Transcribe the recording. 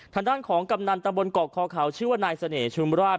ทางด้านของกำนันตะบนเกาะคอเขาชื่อว่านายเสน่หุมราช